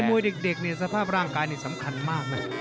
ให้ม่วยเด็กสภาพร่างกายสำคัญมาก